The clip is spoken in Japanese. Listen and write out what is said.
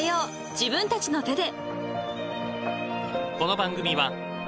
自分たちの手で］